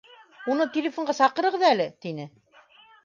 Уны телефонға саҡырығыҙ әле, - тине.